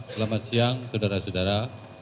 selamat siang saudara saudara